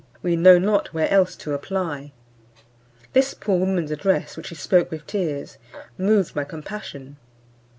we know not where else to apply." This poor woman's address, which she spoke with tears, moved my compassion.